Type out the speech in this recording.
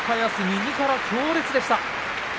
右から強烈でした。